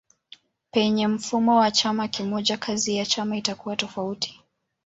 Penye mfumo wa chama kimoja kazi ya chama itakuwa tofauti.